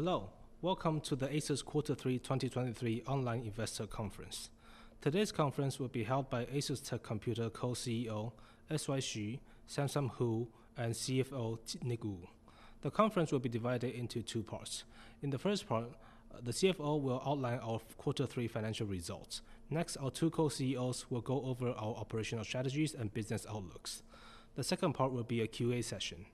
Hello, welcome to the ASUS Quarter Three 2023 Online Investor Conference. Today's conference will be held by ASUSTeK Computer Co-CEO S.Y. Hsu, Samson Hu, and CFO Nick Wu. The conference will be divided into two parts. In the first part, the CFO will outline our quarter three financial results. Next, our two Co-CEOs will go over our operational strategies and business outlooks. The second part will be a QA session.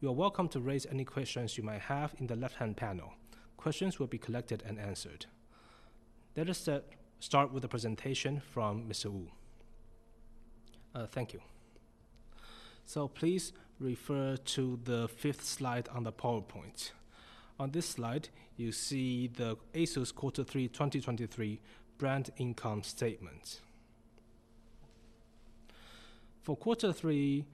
You are welcome to raise any questions you might have in the left-hand panel. Questions will be collected and answered. Let us start with a presentation from Mr. Wu. Thank you. So please refer to the fifth slide on the PowerPoint. On this slide, you see the ASUS quarter three 2023 brand income statement. For quarter three,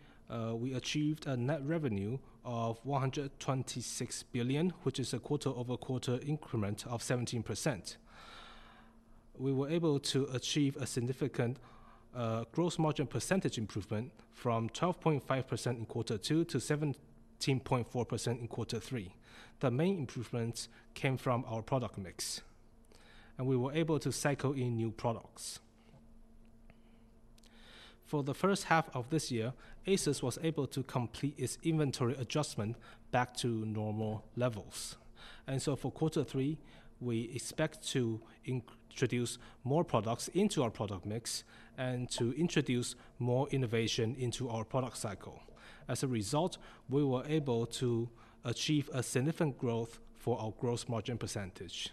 we achieved a net revenue of 126 billion, which is a quarter-over-quarter increment of 17%. We were able to achieve a significant, gross margin percentage improvement from 12.5% in quarter two to 17.4% in quarter three. The main improvements came from our product mix, and we were able to cycle in new products. For the first half of this year, ASUS was able to complete its inventory adjustment back to normal levels. And so for quarter three, we expect to introduce more products into our product mix and to introduce more innovation into our product cycle. As a result, we were able to achieve a significant growth for our gross margin percentage.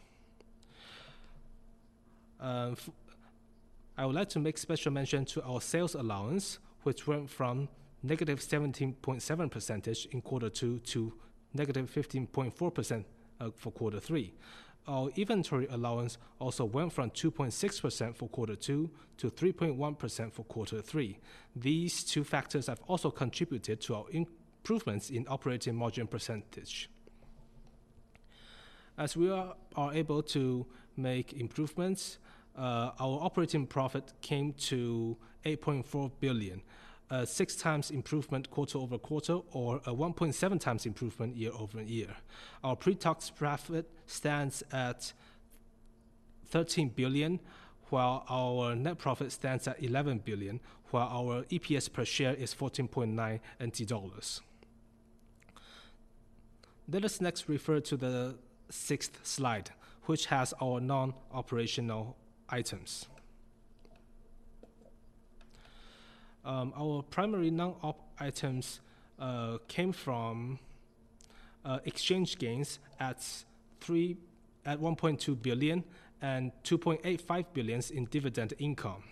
I would like to make special mention to our sales allowance, which went from -17.7% in quarter two to -15.4% for quarter three. Our inventory allowance also went from 2.6% for quarter two to 3.1% for quarter three. These two factors have also contributed to our improvements in operating margin percentage. As we are able to make improvements, our operating profit came to 8.4 billion, 6x improvement quarter-over-quarter, or a 1.7x improvement year-over-year. Our pre-tax profit stands at 13 billion, while our net profit stands at 11 billion, while our EPS per share is NT 14.9. Let us next refer to the sixth slide, which has our non-operational items. Our primary non-op items came from exchange gains at NT 1.2 billion and NT 2.85 billion in dividend income.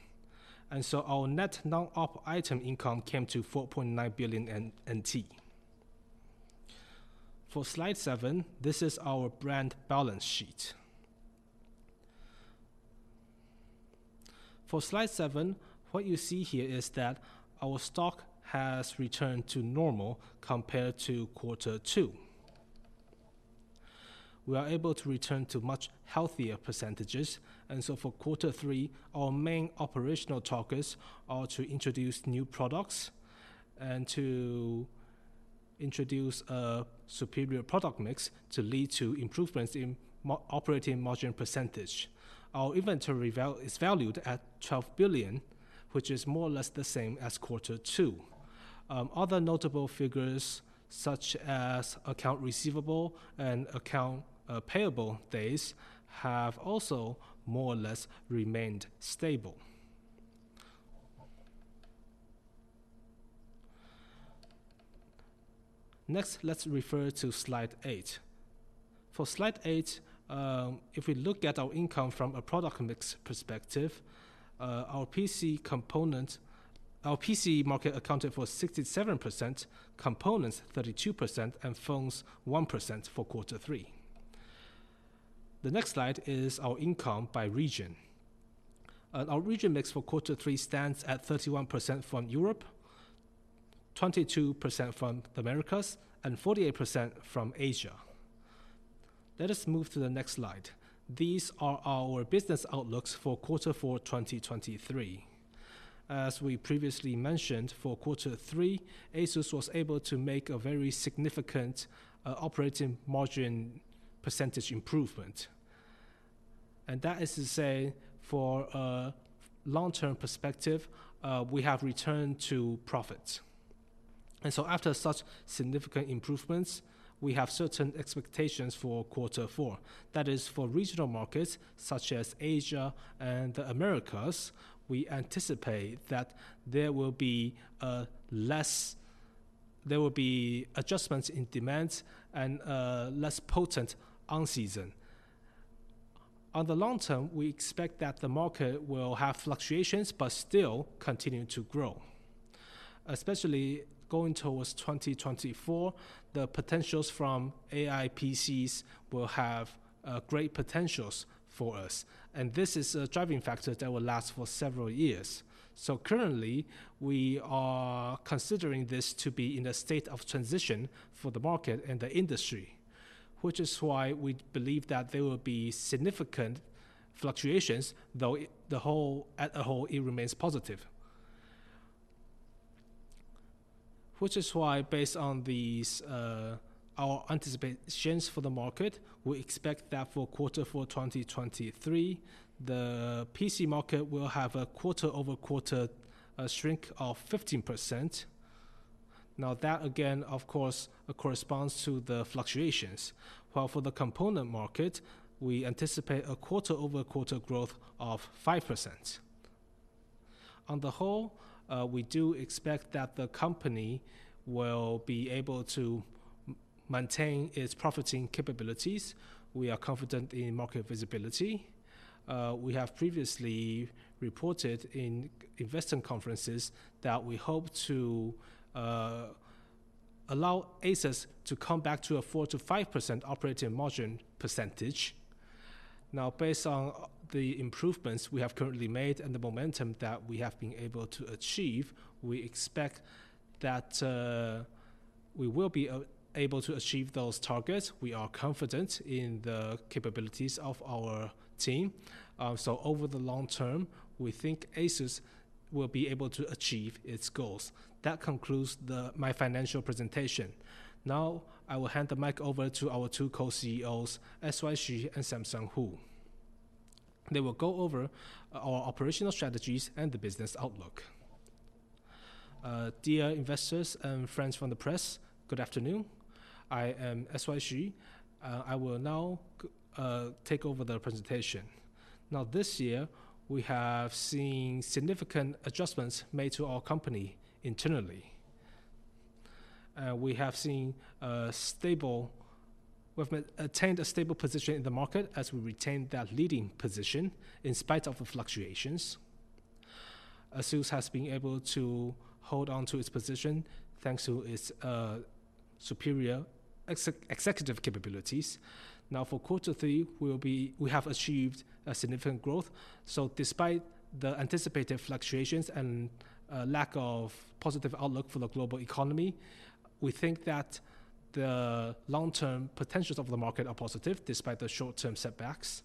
And so our net non-op item income came to NT 4.9 billion. For slide seven, this is our brand balance sheet. For slide seven, what you see here is that our stock has returned to normal compared to quarter two. We are able to return to much healthier percentages, and so for quarter three, our main operational targets are to introduce new products and to introduce a superior product mix to lead to improvements in operating margin percentage. Our inventory is valued at NT 12 billion, which is more or less the same as quarter two. Other notable figures, such as account receivable and account payable days, have also more or less remained stable. Next, let's refer to slide eight. For slide eight, if we look at our income from a product mix perspective, our PC component... Our PC market accounted for 67%, components, 32%, and phones, 1% for quarter three. The next slide is our income by region. Our region mix for quarter three stands at 31% from Europe, 22% from the Americas, and 48% from Asia. Let us move to the next slide. These are our business outlooks for quarter four, 2023. As we previously mentioned, for quarter three, ASUS was able to make a very significant, operating margin percentage improvement. And that is to say, for a long-term perspective, we have returned to profit. And so after such significant improvements, we have certain expectations for quarter four. That is, for regional markets such as Asia and the Americas, we anticipate that there will be adjustments in demand and less potent on season. On the long-term, we expect that the market will have fluctuations, but still continue to grow. Especially going towards 2024, the potentials from AI PCs will have great potentials for us, and this is a driving factor that will last for several years. So currently, we are considering this to be in a state of transition for the market and the industry, which is why we believe that there will be significant fluctuations, though the whole, at a whole, it remains positive. Which is why, based on these, our anticipations for the market, we expect that for quarter four 2023, the PC market will have a quarter-over-quarter shrink of 15%. Now, that again, of course, corresponds to the fluctuations. While for the component market, we anticipate a quarter-over-quarter growth of 5%. On the whole, we do expect that the company will be able to maintain its profiting capabilities. We are confident in market visibility. We have previously reported in investment conferences that we hope to allow ASUS to come back to a 4%-5% operating margin percentage. Now, based on the improvements we have currently made and the momentum that we have been able to achieve, we expect that we will be able to achieve those targets. We are confident in the capabilities of our team. So over the long-term, we think ASUS will be able to achieve its goals. That concludes my financial presentation. Now, I will hand the mic over to our two Co-CEOs, S.Y. Hsu and Samson Hu. They will go over our operational strategies and the business outlook. Dear investors and friends from the press, good afternoon. I am S.Y. Hsu. I will now take over the presentation. Now, this year, we have seen significant adjustments made to our company internally. We have seen a stable... We've attained a stable position in the market as we retained that leading position in spite of the fluctuations. ASUS has been able to hold on to its position, thanks to its superior executive capabilities. Now, for quarter three, we have achieved a significant growth. So despite the anticipated fluctuations and lack of positive outlook for the global economy, we think that the long-term potentials of the market are positive, despite the short-term setbacks.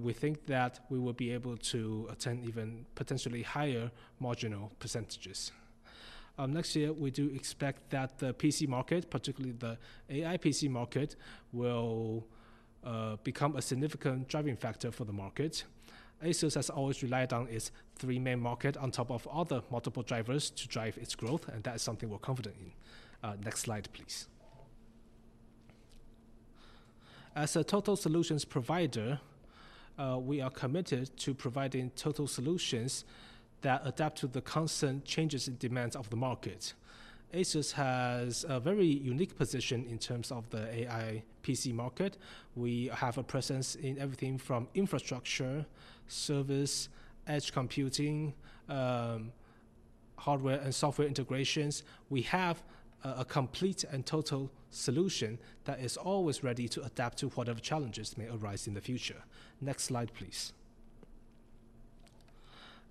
We think that we will be able to attain even potentially higher marginal percentages. Next year, we do expect that the PC market, particularly the AI PC market, will become a significant driving factor for the market. ASUS has always relied on its three main market on top of other multiple drivers to drive its growth, and that is something we're confident in. Next slide, please. As a total solutions provider, we are committed to providing total solutions that adapt to the constant changes in demands of the market. ASUS has a very unique position in terms of the AI PC market. We have a presence in everything from infrastructure, service, edge computing, hardware and software integrations. We have a complete and total solution that is always ready to adapt to whatever challenges may arise in the future. Next slide, please.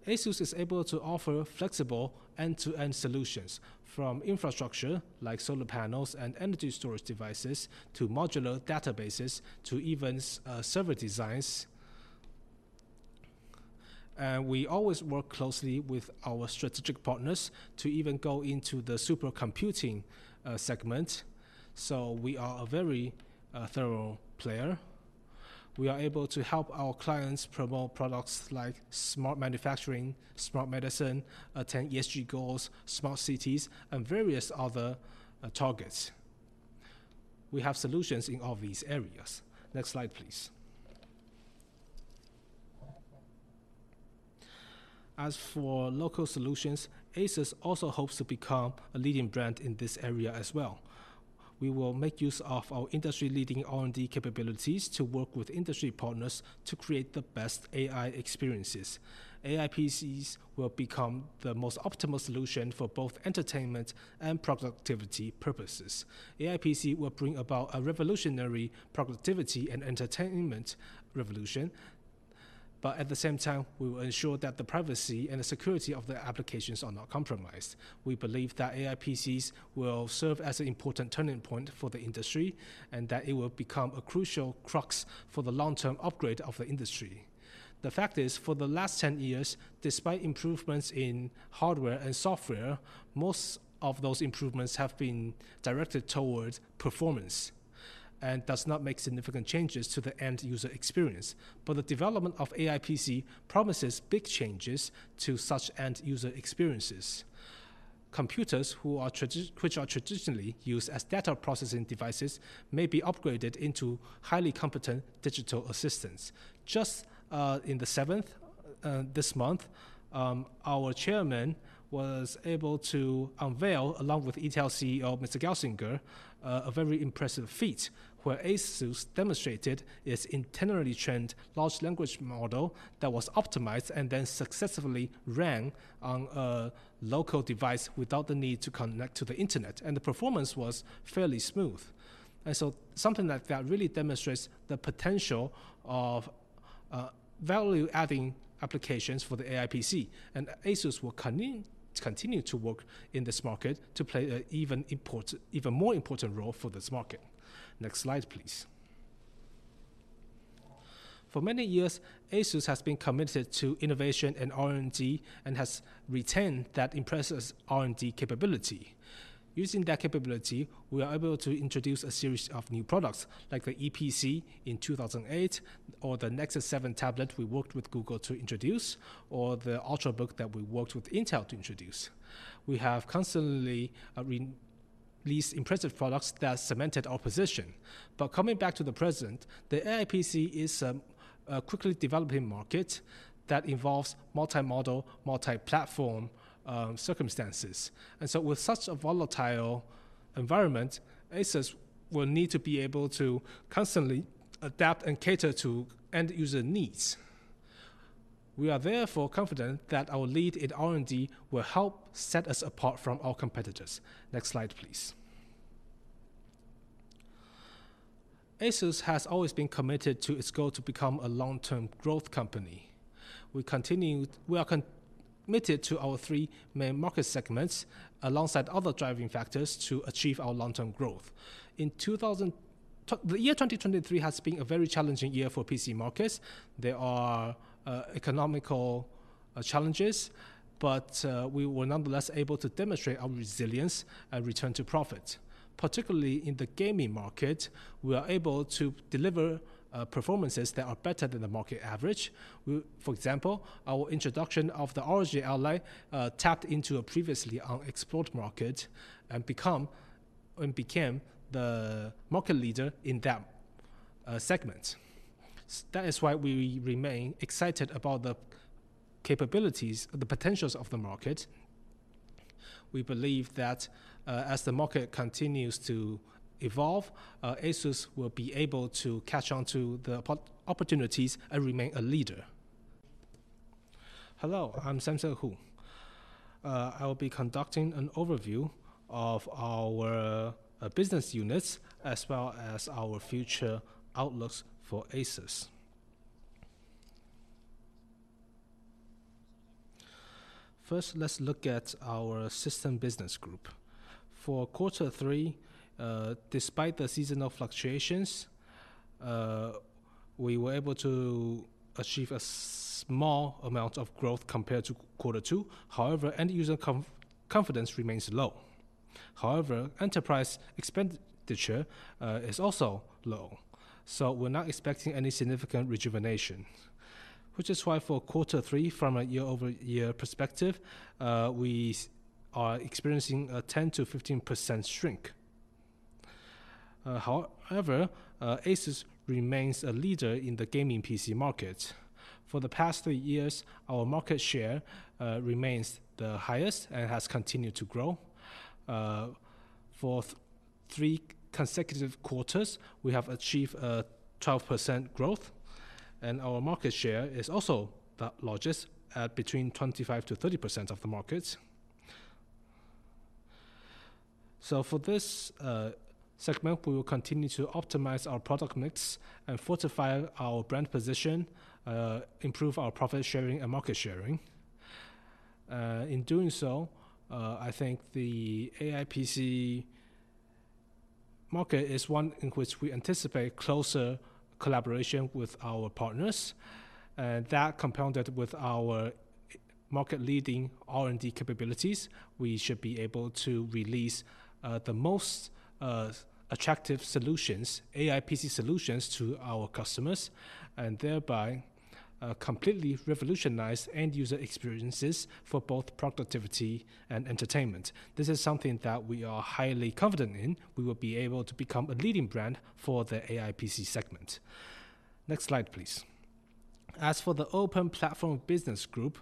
ASUS is able to offer flexible end-to-end solutions, from infrastructure, like solar panels and energy storage devices, to modular databases, to even server designs. We always work closely with our strategic partners to even go into the supercomputing segment. We are a very thorough player. We are able to help our clients promote products like smart manufacturing, smart medicine, attain ESG goals, smart cities, and various other targets. We have solutions in all these areas. Next slide, please. As for local solutions, ASUS also hopes to become a leading brand in this area as well. We will make use of our industry-leading R&D capabilities to work with industry partners to create the best AI experiences. AI PCs will become the most optimal solution for both entertainment and productivity purposes. AI PC will bring about a revolutionary productivity and entertainment revolution, but at the same time, we will ensure that the privacy and the security of the applications are not compromised. We believe that AI PCs will serve as an important turning point for the industry, and that it will become a crucial crux for the long-term upgrade of the industry. The fact is, for the last 10 years, despite improvements in hardware and software, most of those improvements have been directed towards performance and does not make significant changes to the end-user experience. But the development of AI PC promises big changes to such end-user experiences. Computers which are traditionally used as data processing devices, may be upgraded into highly competent digital assistants. Just, in the seventh, this month, our chairman was able to unveil, along with Intel CEO, Mr. Gelsinger, a very impressive feat, where ASUS demonstrated its internally trained large language model that was optimized and then successfully ran on a local device without the need to connect to the internet, and the performance was fairly smooth. And so something like that really demonstrates the potential of value-adding applications for the AI PC, and ASUS will continue to work in this market to play an even more important role for this market. Next slide, please. For many years, ASUS has been committed to innovation and R&D, and has retained that impressive R&D capability. Using that capability, we are able to introduce a series of new products, like the Eee PC in 2008, or the Nexus 7 tablet we worked with Google to introduce, or the Ultrabook that we worked with Intel to introduce. We have constantly released impressive products that cemented our position. But coming back to the present, the AI PC is a quickly developing market that involves multi-model, multi-platform circumstances. And so with such a volatile environment, ASUS will need to be able to constantly adapt and cater to end-user needs. We are therefore confident that our lead in R&D will help set us apart from our competitors. Next slide, please. ASUS has always been committed to its goal to become a long-term growth company. We are committed to our three main market segments, alongside other driving factors to achieve our long-term growth. The year 2023 has been a very challenging year for PC markets. There are economic challenges, but we were nonetheless able to demonstrate our resilience and return to profit. Particularly in the gaming market, we are able to deliver performances that are better than the market average. For example, our introduction of the ROG Ally tapped into a previously unexplored market and became the market leader in that segment. That is why we remain excited about the potentials of the market. We believe that, as the market continues to evolve, ASUS will be able to catch on to the opportunities and remain a leader. Hello, I'm Samson Hu. I will be conducting an overview of our business units, as well as our future outlooks for ASUS. First, let's look at our system business group. For quarter three, despite the seasonal fluctuations, we were able to achieve a small amount of growth compared to quarter two. However, end-user confidence remains low. However, enterprise expenditure is also low, so we're not expecting any significant rejuvenation. Which is why for quarter three, from a year-over-year perspective, we are experiencing a 10%-15% shrink. However, ASUS remains a leader in the gaming PC market. For the past three years, our market share remains the highest and has continued to grow. For three consecutive quarters, we have achieved 12% growth, and our market share is also the largest, at between 25%-30% of the market. So for this segment, we will continue to optimize our product mix and fortify our brand position, improve our profit sharing and market sharing. In doing so, I think the AI PC market is one in which we anticipate closer collaboration with our partners. And that, compounded with our market-leading R&D capabilities, we should be able to release the most attractive solutions, AI PC solutions, to our customers, and thereby completely revolutionize end-user experiences for both productivity and entertainment. This is something that we are highly confident in. We will be able to become a leading brand for the AI PC segment. Next slide, please. As for the open platform business group,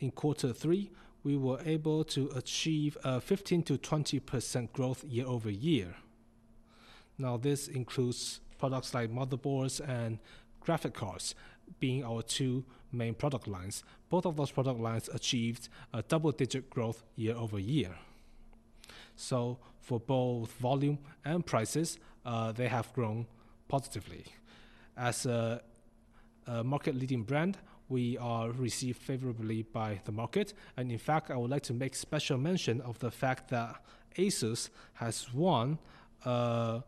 in quarter three, we were able to achieve a 15%-20% growth year-over-year. Now, this includes products like motherboards and graphic cards being our two main product lines. Both of those product lines achieved a double-digit growth year-over-year. So for both volume and prices, they have grown positively. As a market-leading brand, we are received favorably by the market. In fact, I would like to make special mention of the fact that ASUS has won the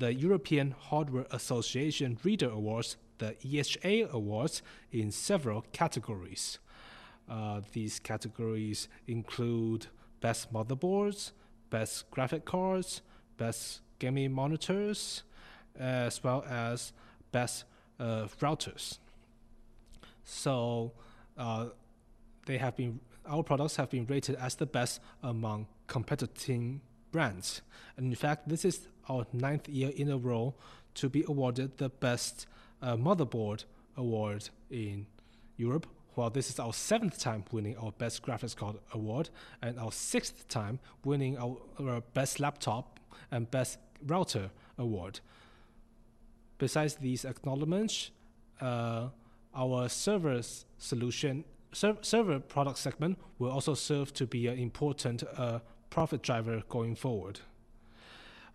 European Hardware Association Reader Awards, the EHA Awards, in several categories. These categories include Best Motherboards, Best Graphic Cards, Best Gaming Monitors, as well as Best Routers. Our products have been rated as the best among competing brands. And in fact, this is our ninth year in a row to be awarded the Best Motherboard Award in Europe, while this is our seventh time winning our Best Graphics Card award and our sixth time winning our Best Laptop and Best Router award. Besides these acknowledgments, our server product segment will also serve to be an important profit driver going forward.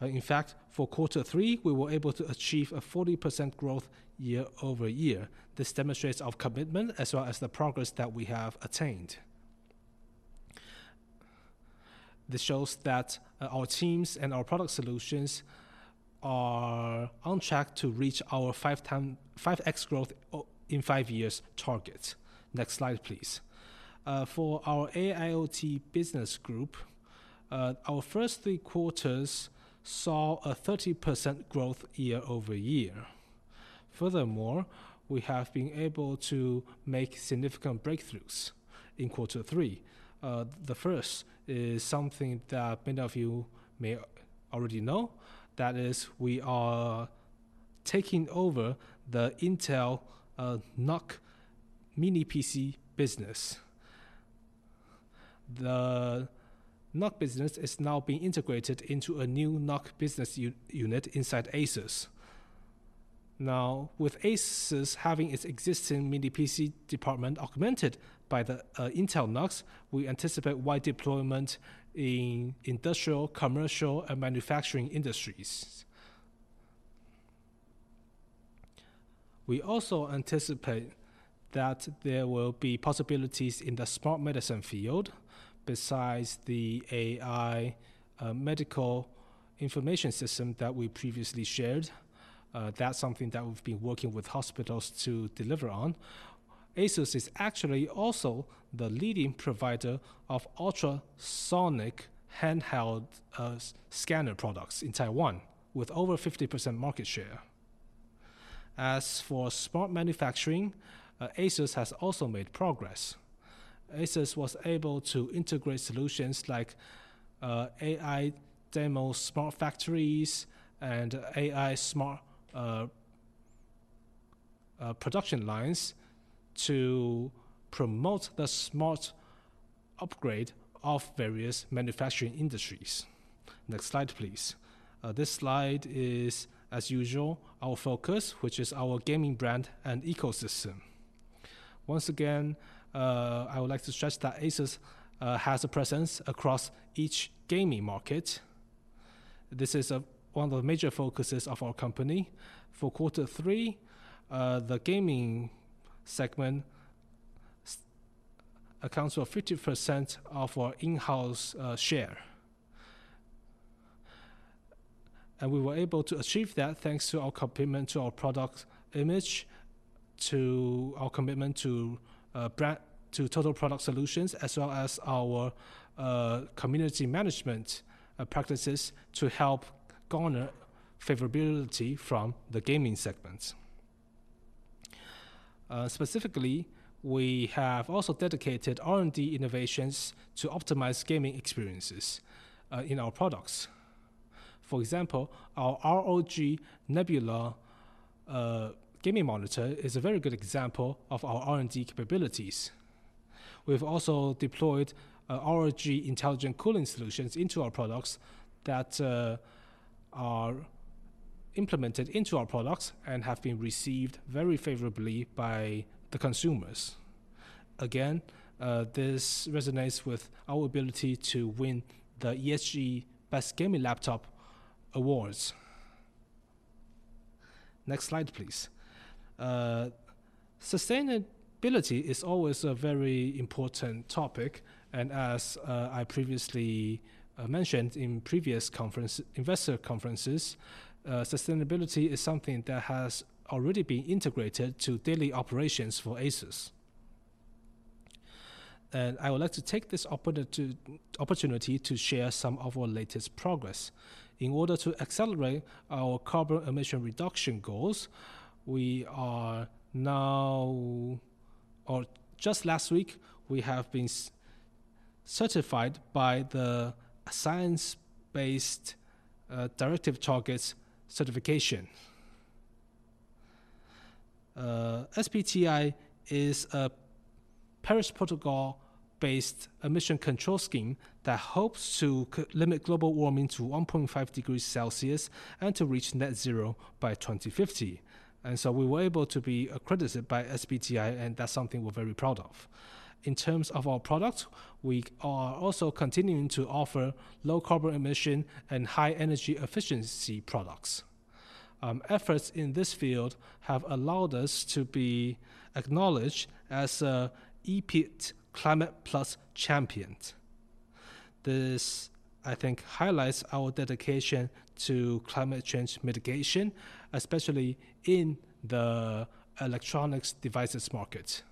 In fact, for quarter three, we were able to achieve a 40% growth year-over-year. This demonstrates our commitment, as well as the progress that we have attained. This shows that our teams and our product solutions are on track to reach our 5x growth in 5 years target. Next slide, please. For our AIoT business group, our first three quarters saw a 30% growth year-over-year. Furthermore, we have been able to make significant breakthroughs in quarter three. The first is something that many of you may already know. That is, we are taking over the Intel NUC Mini PC business. The NUC business is now being integrated into a new NUC business unit inside ASUS. Now, with ASUS having its existing mini PC department augmented by the Intel NUCs, we anticipate wide deployment in industrial, commercial, and manufacturing industries. We also anticipate that there will be possibilities in the smart medicine field, besides the AI medical information system that we previously shared. That's something that we've been working with hospitals to deliver on. ASUS is actually also the leading provider of ultrasonic handheld scanner products in Taiwan, with over 50% market share. As for smart manufacturing, ASUS has also made progress. ASUS was able to integrate solutions like AI demo smart factories and AI smart production lines to promote the smart upgrade of various manufacturing industries. Next slide, please. This slide is, as usual, our focus, which is our gaming brand and ecosystem. Once again, I would like to stress that ASUS has a presence across each gaming market. This is one of the major focuses of our company. For quarter three, the gaming segment accounts for 50% of our in-house share. And we were able to achieve that thanks to our commitment to our product image, to our commitment to brand, to total product solutions, as well as our community management practices to help garner favorability from the gaming segments. Specifically, we have also dedicated R&D innovations to optimize gaming experiences in our products. For example, our ROG Nebula gaming monitor is a very good example of our R&D capabilities. We've also deployed ROG intelligent cooling solutions into our products that are implemented into our products and have been received very favorably by the consumers. Again, this resonates with our ability to win the ESG Best Gaming Laptop Awards. Next slide, please. Sustainability is always a very important topic, and as I previously mentioned in previous investor conferences, sustainability is something that has already been integrated to daily operations for ASUS. And I would like to take this opportunity to share some of our latest progress. In order to accelerate our carbon emission reduction goals, or just last week, we have been certified by the Science Based Targets certification. SBTi is a Paris protocol-based emission control scheme that hopes to limit global warming to 1.5 degrees Celsius and to reach net zero by 2050. And so we were able to be accredited by SBTi, and that's something we're very proud of. In terms of our products, we are also continuing to offer low carbon emission and high energy efficiency products. Efforts in this field have allowed us to be acknowledged as a EPEAT Climate+ Champions. This, I think, highlights our dedication to climate change mitigation, especially in the electronics devices market.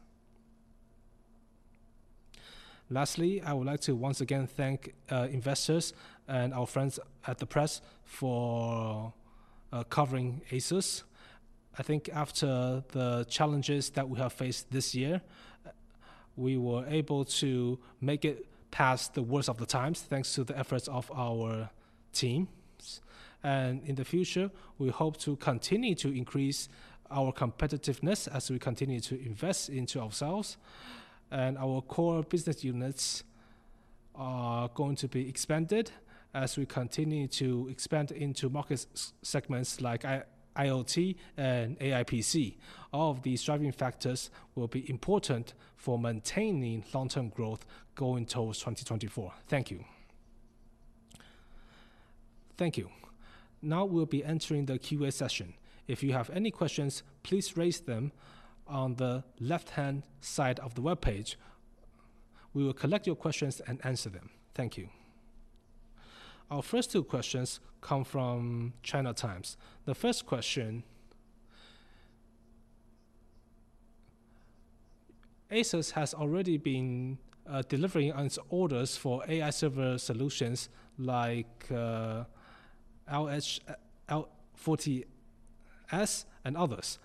Lastly, I would like to once again thank investors and our friends at the press for covering ASUS. I think after the challenges that we have faced this year, we were able to make it past the worst of the times, thanks to the efforts of our teams. And in the future, we hope to continue to increase our competitiveness as we continue to invest into ourselves. And our core business units are going to be expanded as we continue to expand into market segments like IoT and AI PC. All of these driving factors will be important for maintaining long-term growth going towards 2024. Thank you! Thank you. Now we'll be entering the Q&A session. If you have any questions, please raise them on the left-hand side of the webpage. We will collect your questions and answer them. Thank you. Our first two questions come from China Times. The first question: ASUS has already been delivering on its orders for AI server solutions like L40S and others.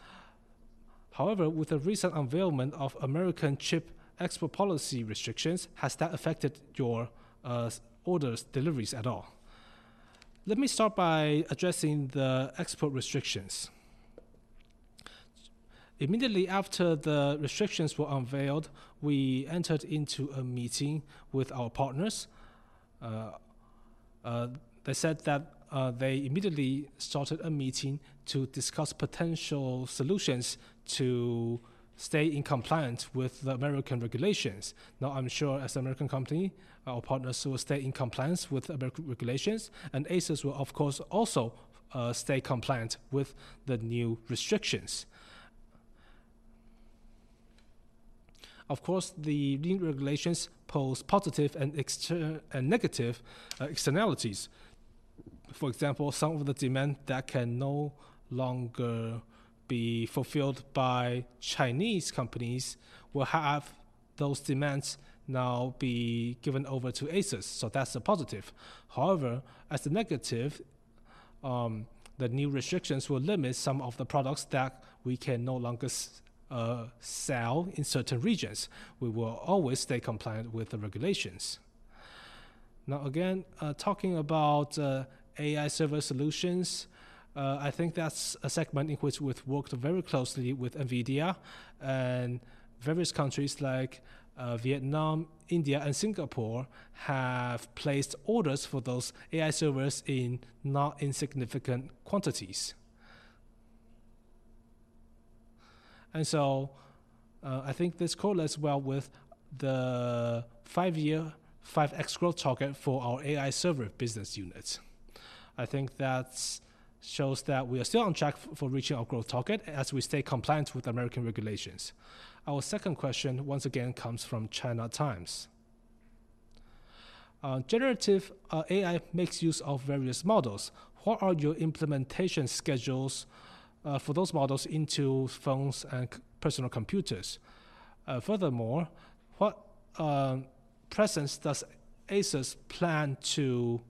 However, with the recent unveiling of American chip export policy restrictions, has that affected your orders deliveries at all? Let me start by addressing the export restrictions. Immediately after the restrictions were unveiled, we entered into a meeting with our partners. They said that they immediately started a meeting to discuss potential solutions to stay in compliance with the American regulations. Now, I'm sure as an American company, our partners will stay in compliance with American regulations, and ASUS will, of course, also, stay compliant with the new restrictions. Of course, the new regulations pose positive and negative externalities. For example, some of the demand that can no longer be fulfilled by Chinese companies will have those demands now be given over to ASUS, so that's a positive. However, as a negative, the new restrictions will limit some of the products that we can no longer sell in certain regions. We will always stay compliant with the regulations. Now, again, talking about AI server solutions, I think that's a segment in which we've worked very closely with NVIDIA, and various countries like Vietnam, India, and Singapore, have placed orders for those AI servers in not insignificant quantities. So, I think this correlates well with the 5-year, 5x growth target for our AI server business units. I think that shows that we are still on track for reaching our growth target as we stay compliant with American regulations. Our second question, once again, comes from China Times. Generative AI makes use of various models. What are your implementation schedules for those models into phones and personal computers? Furthermore, what presence does ASUS plan to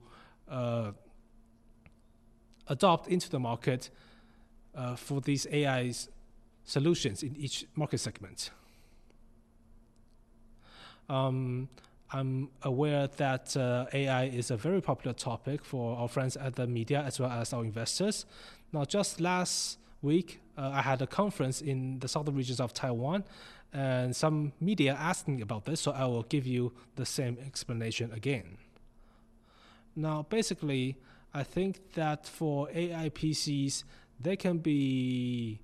adopt into the market for these AI solutions in each market segment? I'm aware that AI is a very popular topic for our friends at the media, as well as our investors. Now, just last week, I had a conference in the southern regions of Taiwan, and some media asked me about this, so I will give you the same explanation again. Now, basically, I think that for AI PCs, they can be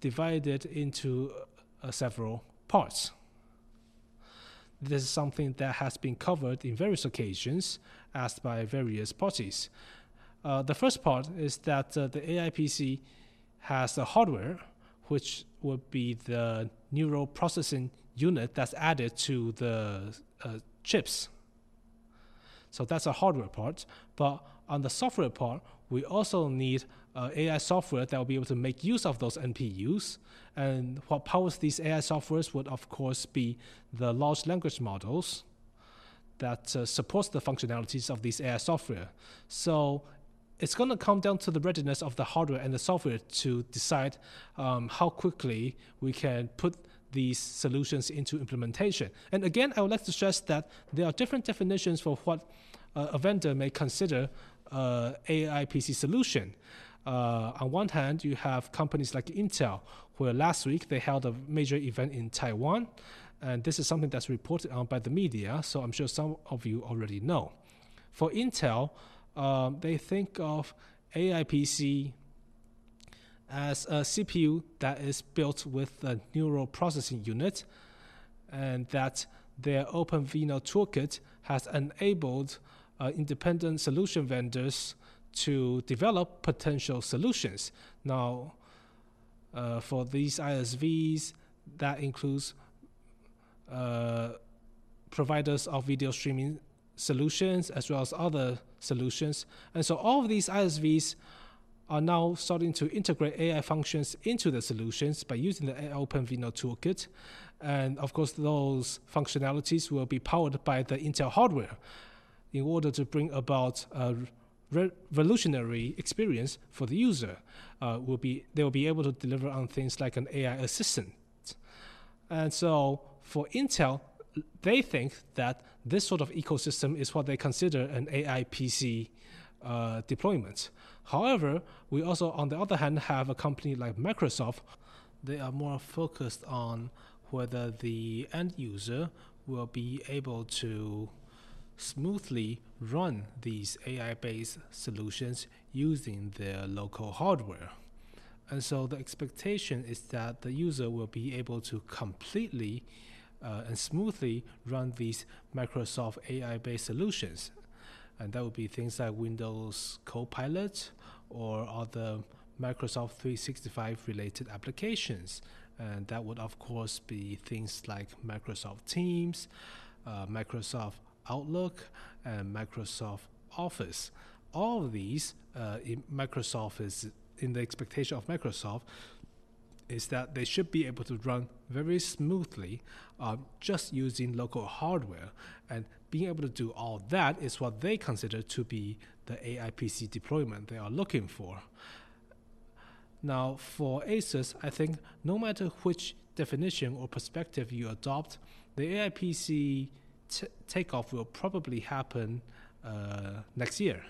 divided into several parts. This is something that has been covered in various occasions, asked by various parties. The first part is that the AI PC has the hardware, which would be the neural processing unit that's added to the chips. So that's the hardware part, but on the software part, we also need AI software that will be able to make use of those NPUs. And what powers these AI softwares would, of course, be the large language models that supports the functionalities of this AI software. So it's gonna come down to the readiness of the hardware and the software to decide how quickly we can put these solutions into implementation. And again, I would like to stress that there are different definitions for what a vendor may consider AI PC solution. On one hand, you have companies like Intel, where last week they held a major event in Taiwan, and this is something that's reported on by the media, so I'm sure some of you already know. For Intel, they think of AI PC as a CPU that is built with a neural processing unit, and that their OpenVINO toolkit has enabled independent solution vendors to develop potential solutions. Now, for these ISVs, that includes providers of video streaming solutions, as well as other solutions. All of these ISVs are now starting to integrate AI functions into the solutions by using the OpenVINO toolkit. Of course, those functionalities will be powered by the Intel hardware. In order to bring about a revolutionary experience for the user, they will be able to deliver on things like an AI assistant. For Intel, they think that this sort of ecosystem is what they consider an AI PC deployment. However, we also, on the other hand, have a company like Microsoft. They are more focused on whether the end-user will be able to smoothly run these AI-based solutions using their local hardware. The expectation is that the user will be able to completely and smoothly run these Microsoft AI-based solutions. That would be things like Windows Copilot or other Microsoft 365-related applications. That would, of course, be things like Microsoft Teams, Microsoft Outlook, and Microsoft Office. All of these, in Microsoft's expectation, is that they should be able to run very smoothly, just using local hardware. Being able to do all that is what they consider to be the AI PC deployment they are looking for. Now, for ASUS, I think no matter which definition or perspective you adopt, the AI PC takeoff will probably happen next year.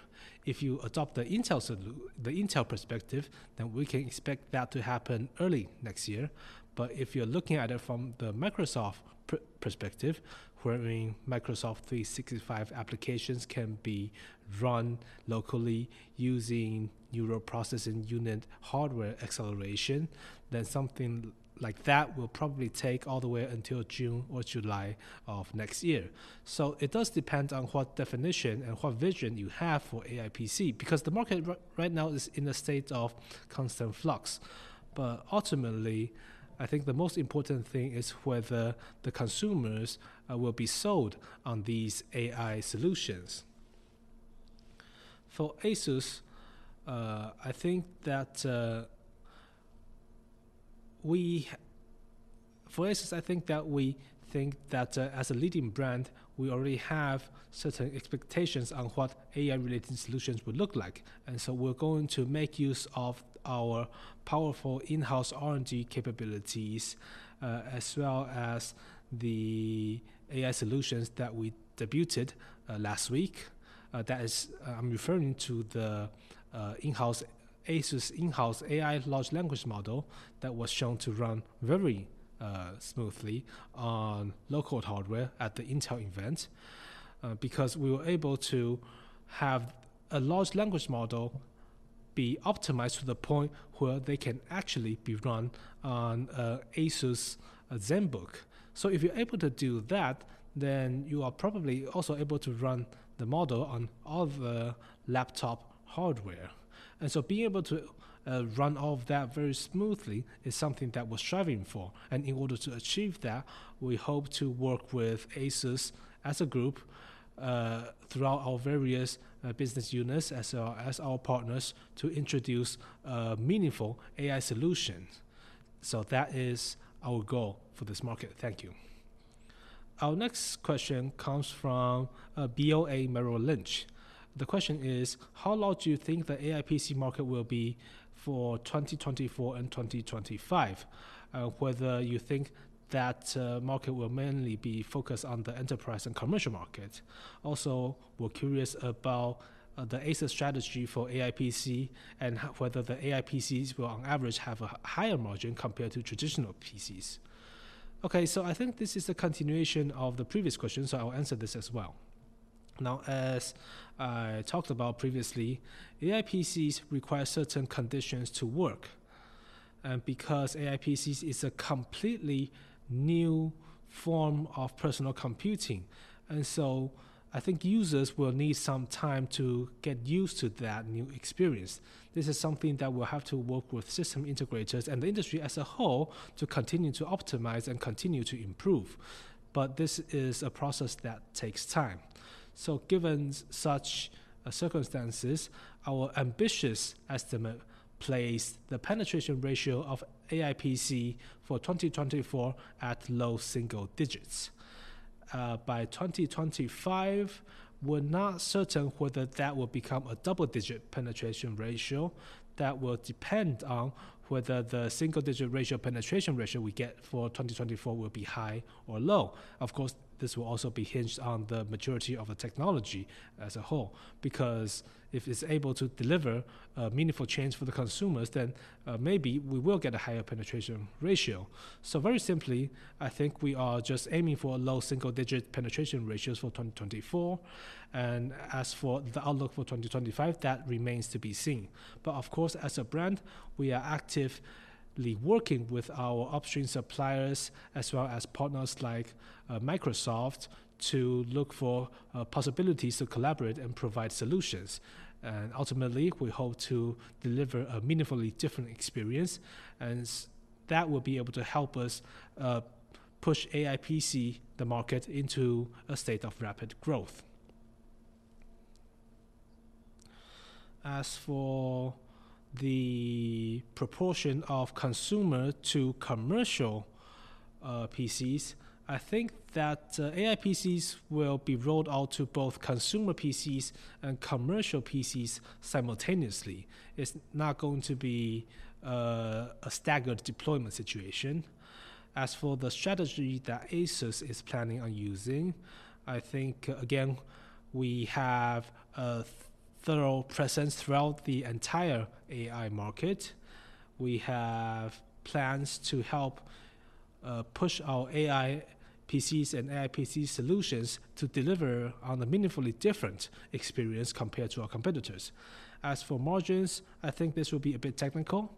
If you adopt the Intel perspective, then we can expect that to happen early next year. But if you're looking at it from the Microsoft perspective, wherein Microsoft 365 applications can be run locally using neural processing unit hardware acceleration, then something like that will probably take all the way until June or July of next year. So it does depend on what definition and what vision you have for AI PC, because the market right now is in a state of constant flux. But ultimately, I think the most important thing is whether the consumers will be sold on these AI solutions. For ASUS, I think that we think that, as a leading brand, we already have certain expectations on what AI-related solutions would look like. And so we're going to make use of our powerful in-house R&D capabilities, as well as the AI solutions that we debuted last week. That is, I'm referring to the in-house—ASUS in-house AI large language model that was shown to run very smoothly on local hardware at the Intel event. Because we were able to have a large language model be optimized to the point where they can actually be run on ASUS Zenbook. So if you're able to do that, then you are probably also able to run the model on other laptop hardware. And so being able to run all of that very smoothly is something that we're striving for. And in order to achieve that, we hope to work with ASUS as a group throughout our various business units, as well as our partners, to introduce meaningful AI solutions. So that is our goal for this market. Thank you. Our next question comes from BoA Merrill Lynch. The question is: How large do you think the AI PC market will be for 2024 and 2025? Whether you think that market will mainly be focused on the enterprise and commercial market. Also, we're curious about the ASUS strategy for AI PC and whether the AI PCs will, on average, have a higher margin compared to traditional PCs? Okay, so I think this is a continuation of the previous question, so I'll answer this as well. Now, as I talked about previously, AI PCs require certain conditions to work, and because AI PCs is a completely new form of personal computing. So I think users will need some time to get used to that new experience. This is something that will have to work with system integrators and the industry as a whole, to continue to optimize and continue to improve. This is a process that takes time. So given such circumstances, our ambitious estimate places the penetration ratio of AI PC for 2024 at low-single digits. By 2025, we're not certain whether that will become a double-digit penetration ratio. That will depend on whether the single-digit ratio, penetration ratio we get for 2024 will be high or low. Of course, this will also be hinged on the maturity of the technology as a whole, because if it's able to deliver a meaningful change for the consumers, then, maybe we will get a higher penetration ratio. So very simply, I think we are just aiming for a low-single-digit penetration ratios for 2024. As for the outlook for 2025, that remains to be seen. But of course, as a brand, we are actively working with our upstream suppliers, as well as partners like Microsoft, to look for possibilities to collaborate and provide solutions. And ultimately, we hope to deliver a meaningfully different experience, and that will be able to help us push AI PC the market into a state of rapid growth. As for the proportion of consumer to commercial PCs, I think that AI PCs will be rolled out to both consumer PCs and commercial PCs simultaneously. It's not going to be a staggered deployment situation. As for the strategy that ASUS is planning on using, I think, again, we have a thorough presence throughout the entire AI market. We have plans to help push our AI PCs and AI PC solutions to deliver on a meaningfully different experience compared to our competitors. As for margins, I think this will be a bit technical,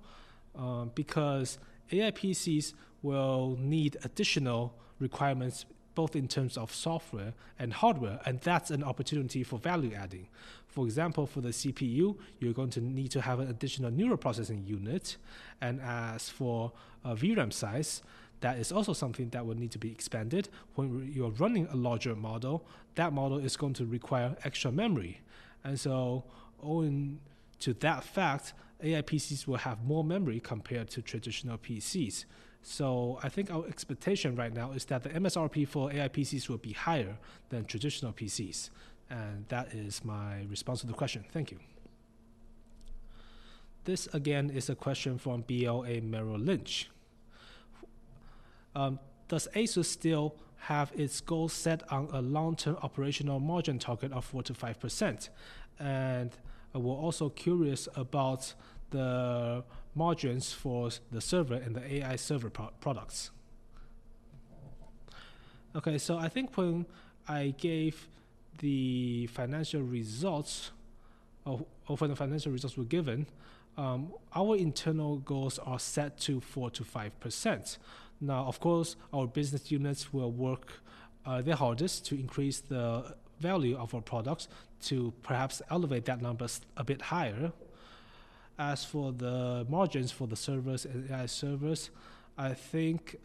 because AI PCs will need additional requirements, both in terms of software and hardware, and that's an opportunity for value-adding. For example, for the CPU, you're going to need to have an additional neural processing unit. And as for, VRAM size, that is also something that would need to be expanded. When you're running a larger model, that model is going to require extra memory. And so owing to that fact, AI PCs will have more memory compared to traditional PCs. So I think our expectation right now is that the MSRP for AI PCs will be higher than traditional PCs, and that is my response to the question. Thank you. This, again, is a question from BoA Merrill Lynch. Does ASUS still have its goals set on a long-term operational margin target of 4%-5%? And we're also curious about the margins for the server and the AI server products. Okay, so I think when I gave the financial results or when the financial results were given, our internal goals are set to 4%-5%. Now, of course, our business units will work their hardest to increase the value of our products to perhaps elevate that numbers a bit higher. As for the margins for the servers, AI servers, I think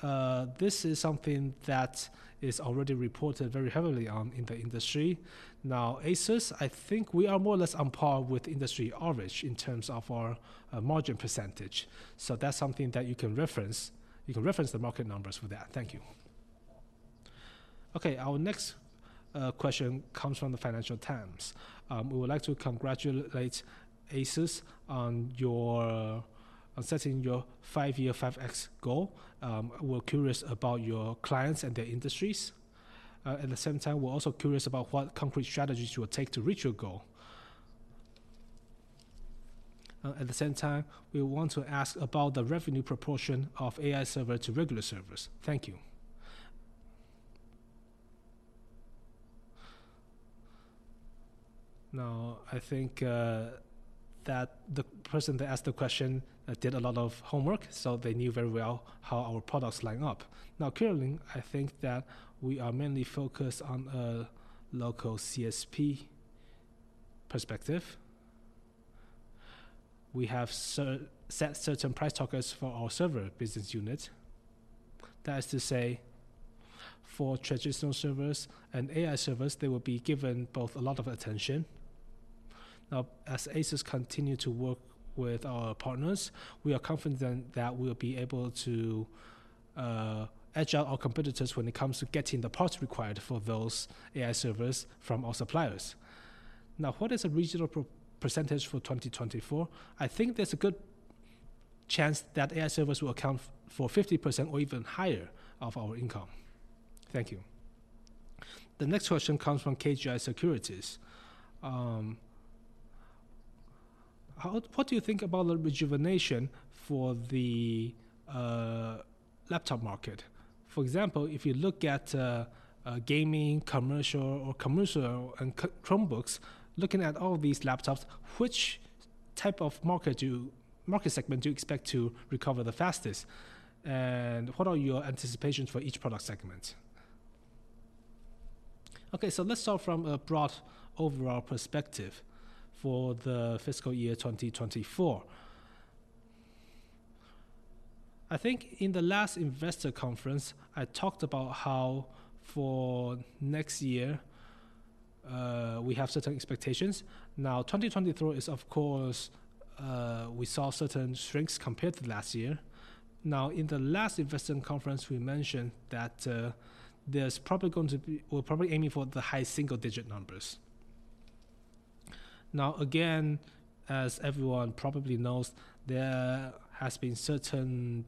this is something that is already reported very heavily on in the industry. Now, ASUS, I think we are more or less on par with industry average in terms of our margin percentage, so that's something that you can reference. You can reference the market numbers for that. Thank you. Okay, our next question comes from the Financial Times. We would like to congratulate ASUS on your- on setting your five-year, 5x goal. We're curious about your clients and their industries. At the same time, we're also curious about what concrete strategies you will take to reach your goal. At the same time, we want to ask about the revenue proportion of AI server to regular servers. Thank you. Now, I think that the person that asked the question did a lot of homework, so they knew very well how our products line up. Now, currently, I think that we are mainly focused on a local CSP perspective. We have set certain price targets for our server business unit. That is to say, for traditional servers and AI servers, they will be given both a lot of attention. Now, as ASUS continue to work with our partners, we are confident that we'll be able to edge out our competitors when it comes to getting the parts required for those AI servers from our suppliers. Now, what is a reasonable percentage for 2024? I think there's a good chance that AI servers will account for 50% or even higher of our income. Thank you. The next question comes from KGI Securities. What do you think about the rejuvenation for the laptop market? For example, if you look at gaming, commercial, or commercial and Chromebooks, looking at all these laptops, which type of market segment do you expect to recover the fastest, and what are your anticipations for each product segment? Okay, so let's start from a broad overall perspective for the fiscal year 2024. I think in the last investor conference, I talked about how for next year, we have certain expectations. Now, 2023 is, of course, we saw certain strengths compared to last year. Now, in the last investor conference, we mentioned that, there's probably going to be... We're probably aiming for the high single-digit numbers. Now, again, as everyone probably knows, there has been certain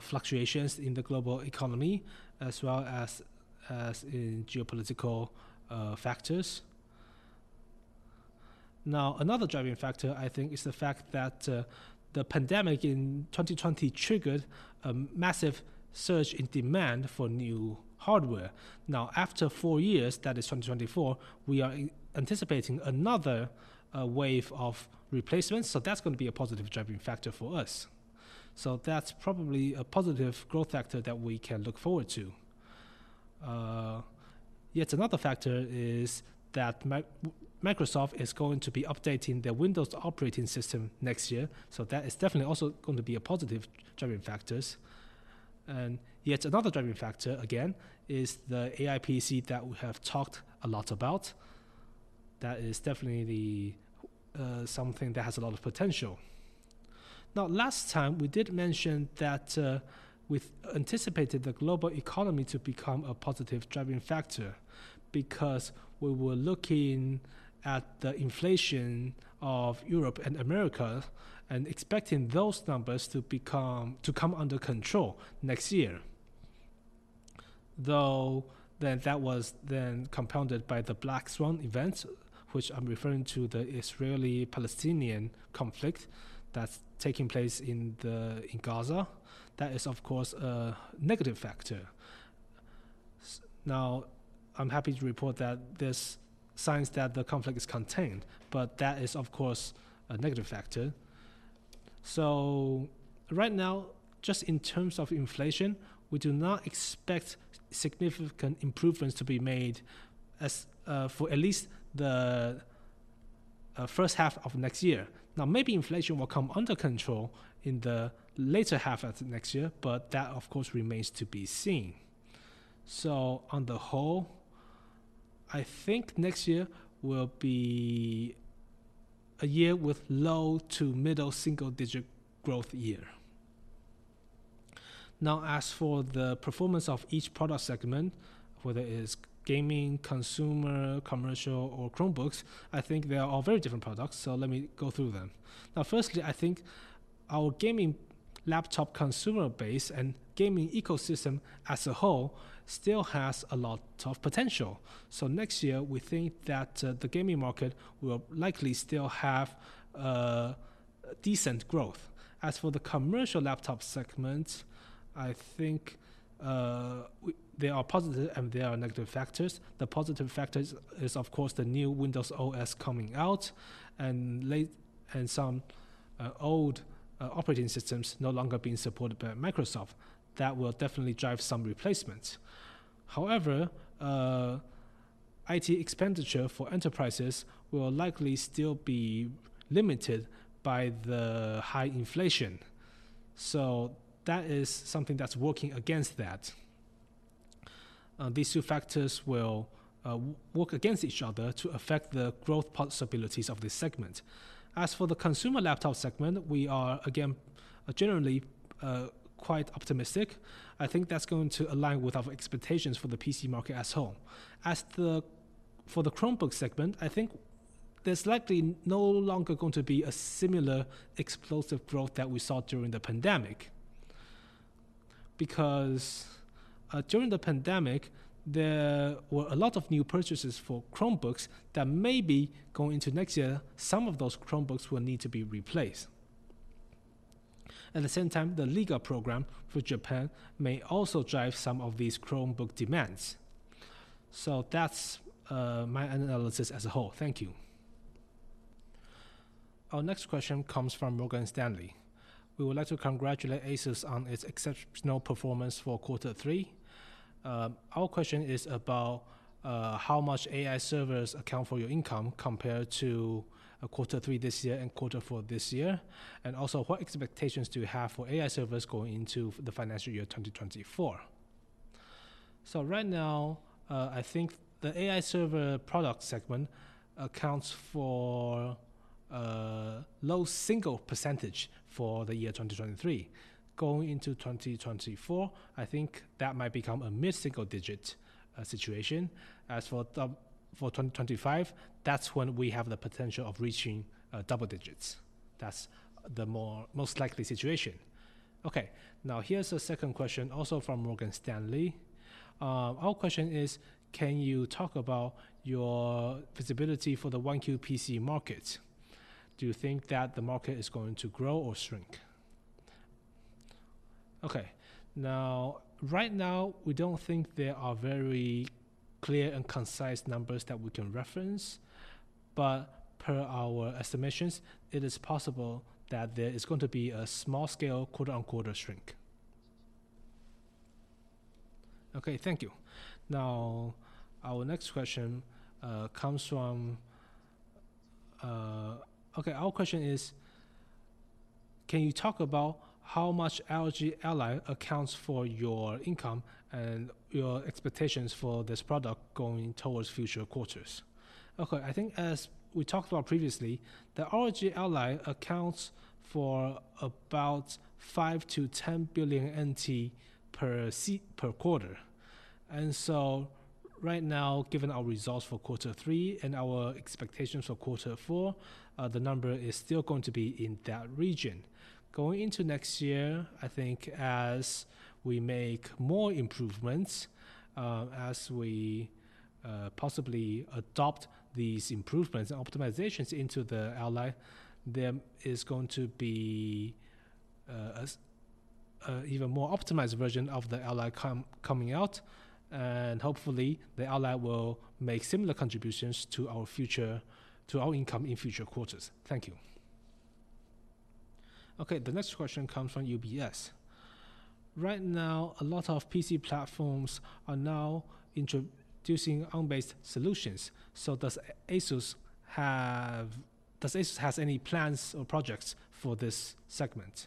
fluctuations in the global economy as well as in geopolitical factors. Now, another driving factor, I think, is the fact that the pandemic in 2020 triggered a massive surge in demand for new hardware. Now, after four years, that is 2024, we are anticipating another wave of replacements, so that's gonna be a positive driving factor for us. So that's probably a positive growth factor that we can look forward to. Yet another factor is that Microsoft is going to be updating their Windows operating system next year, so that is definitely also going to be a positive driving factors. And yet another driving factor, again, is the AI PC that we have talked a lot about. That is definitely the something that has a lot of potential. Now, last time, we did mention that, we've anticipated the global economy to become a positive driving factor because we were looking at the inflation of Europe and America and expecting those numbers to come under control next year... though, then that was then compounded by the Black Swan event, which I'm referring to the Israeli-Palestinian conflict that's taking place in the, in Gaza. That is, of course, a negative factor. Now, I'm happy to report that there's signs that the conflict is contained, but that is, of course, a negative factor. So right now, just in terms of inflation, we do not expect significant improvements to be made as, for at least the, first half of next year. Now, maybe inflation will come under control in the later half of next year, but that, of course, remains to be seen. So on the whole, I think next year will be a year with low to middle single-digit growth year. Now, as for the performance of each product segment, whether it is gaming, consumer, commercial, or Chromebooks, I think they are all very different products, so let me go through them. Now, firstly, I think our gaming laptop consumer base and gaming ecosystem as a whole still has a lot of potential. So next year, we think that the gaming market will likely still have a decent growth. As for the commercial laptop segment, I think there are positive and there are negative factors. The positive factors is, of course, the new Windows OS coming out and some old operating systems no longer being supported by Microsoft. That will definitely drive some replacements. However, IT expenditure for enterprises will likely still be limited by the high inflation. So that is something that's working against that. These two factors will work against each other to affect the growth possibilities of this segment. As for the consumer laptop segment, we are, again, quite optimistic. I think that's going to align with our expectations for the PC market as a whole. As for the Chromebook segment, I think there's likely no longer going to be a similar explosive growth that we saw during the pandemic. Because, during the pandemic, there were a lot of new purchases for Chromebooks that may be going into next year, some of those Chromebooks will need to be replaced. At the same time, the legal program for Japan may also drive some of these Chromebook demands. So that's my analysis as a whole. Thank you. Our next question comes from Morgan Stanley. We would like to congratulate ASUS on its exceptional performance for quarter three. Our question is about how much AI servers account for your income compared to quarter three this year and quarter four this year, and also, what expectations do you have for AI servers going into the financial year 2024? So right now, I think the AI server product segment accounts for low-single percentage for the year 2023. Going into 2024, I think that might become a mid-single-digit situation. As for 2025, that's when we have the potential of reaching double digits. That's the most likely situation. Okay, now, here's a second question, also from Morgan Stanley. Our question is: can you talk about your visibility for the AI PC market? Do you think that the market is going to grow or shrink? Okay, now, right now, we don't think there are very clear and concise numbers that we can reference, but per our estimations, it is possible that there is going to be a small-scale, quarter-over-quarter shrink. Okay, thank you. Now, our next question comes from... Okay, our question is: can you talk about how much ROG Ally accounts for your income and your expectations for this product going towards future quarters? Okay, I think as we talked about previously, the ROG Ally accounts for about 5 billion-10 billion NT per quarter. And so right now, given our results for quarter three and our expectations for quarter four, the number is still going to be in that region. Going into next year, I think as we make more improvements, as we possibly adopt these improvements and optimizations into the Ally, there is going to be a even more optimized version of the Ally coming out, and hopefully, the Ally will make similar contributions to our income in future quarters. Thank you. Okay, the next question comes from UBS. Right now, a lot of PC platforms are now introducing Arm-based solutions. So does ASUS have—does ASUS has any plans or projects for this segment?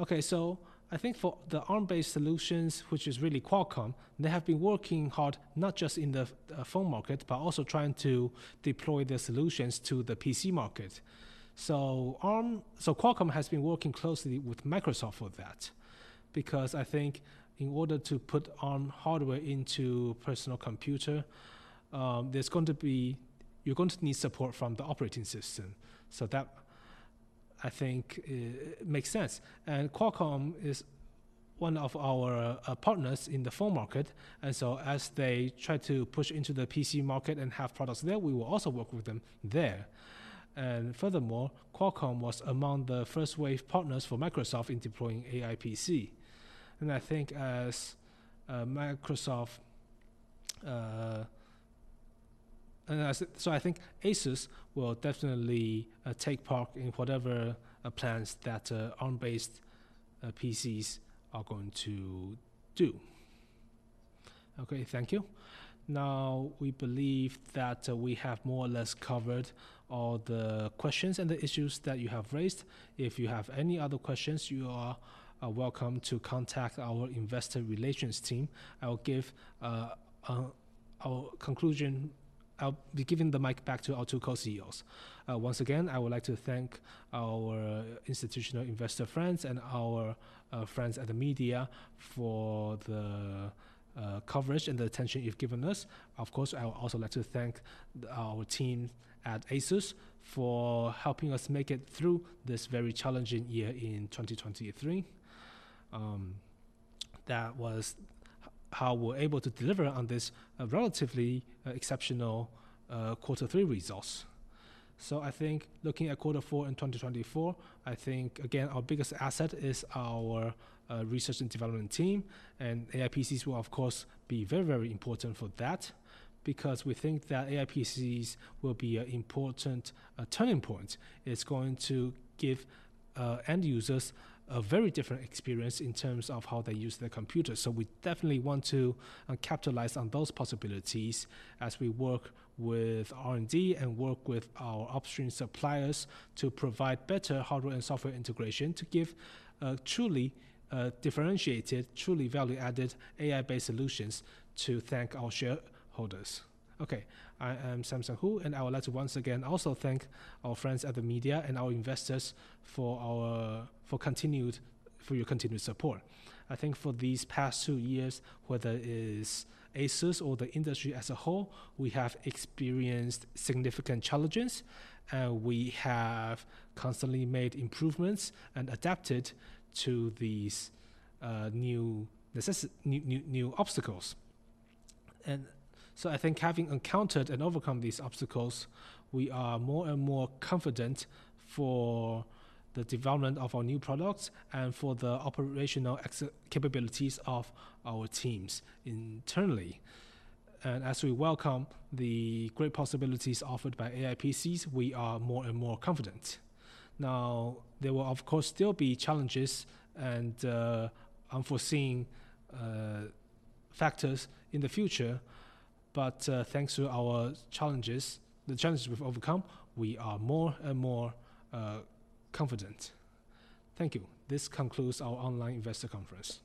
Okay, so I think for the Arm-based solutions, which is really Qualcomm, they have been working hard, not just in the phone market, but also trying to deploy their solutions to the PC market. So Arm, so Qualcomm has been working closely with Microsoft for that, because I think in order to put Arm hardware into personal computer, there's going to be you're going to need support from the operating system. So that I think, it makes sense. And Qualcomm is one of our partners in the phone market, and so as they try to push into the PC market and have products there, we will also work with them there. And furthermore, Qualcomm was among the first wave partners for Microsoft in deploying AI PC. And I think as Microsoft and as so I think ASUS will definitely take part in whatever plans that Arm-based PCs are going to do. Okay, thank you. Now, we believe that we have more or less covered all the questions and the issues that you have raised. If you have any other questions, you are welcome to contact our investor relations team. I will give our conclusion. I'll be giving the mic back to our two Co-CEOs. Once again, I would like to thank our institutional investor friends and our friends at the media for the coverage and the attention you've given us. Of course, I would also like to thank our team at ASUS for helping us make it through this very challenging year in 2023. That was how we're able to deliver on this relatively exceptional quarter three results. So I think looking at quarter four in 2024, I think again, our biggest asset is our, research and development team, and AI PCs will, of course, be very, very important for that, because we think that AI PCs will be an important, turning point. It's going to give, end users a very different experience in terms of how they use their computers. So we definitely want to, capitalize on those possibilities as we work with R&D and work with our upstream suppliers to provide better hardware and software integration, to give, truly, differentiated, truly value-added AI-based solutions to thank our shareholders. Okay. I am Samson Hu, and I would like to once again also thank our friends at the media and our investors for your continued support. I think for these past two years, whether it is ASUS or the industry as a whole, we have experienced significant challenges. We have constantly made improvements and adapted to these new obstacles. And so I think having encountered and overcome these obstacles, we are more and more confident for the development of our new products and for the operational capabilities of our teams internally. And as we welcome the great possibilities offered by AI PCs, we are more and more confident. Now, there will, of course, still be challenges and unforeseen factors in the future, but thanks to our challenges, the challenges we've overcome, we are more and more confident. Thank you. This concludes our online investor conference.